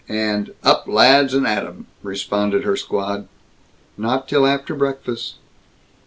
and "Up, lads, and atum!" responded her squad. "Not till after breakfast."